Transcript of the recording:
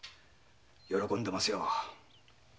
喜んでますよ。